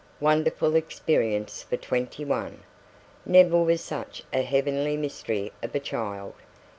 Wonderful experience for twenty one! Never was such a heavenly mystery of a child!